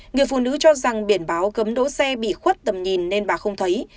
người phụ nữ cho rằng biển báo cấm đỗ xe bị khuất tầm nhìn nên bà không thấy